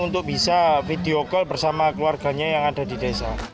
untuk bisa video call bersama keluarganya yang ada di desa